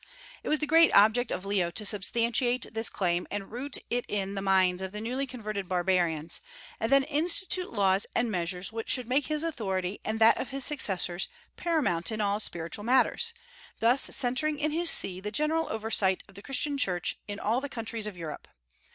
It was the great object of Leo to substantiate this claim, and root it in the minds of the newly converted barbarians; and then institute laws and measures which should make his authority and that of his successors paramount in all spiritual matters, thus centring in his See the general oversight of the Christian Church in all the countries of Europe.